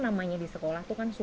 kami bisa beristirahat sejenak